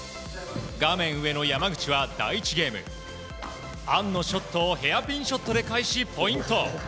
画面上の山口は第１ゲームアンのショットをヘアピンショットで返しポイント。